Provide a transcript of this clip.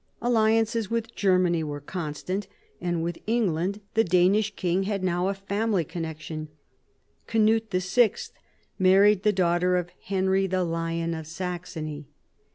Alliances with Germany were constant, and with England the Danish king had now a family connexion. Cnut VI. married the daughter of Henry the Lion of Saxony.